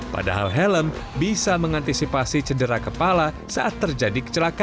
padahal helm bisa mengantisipasi cedera kepala saat terjadi kecelakaan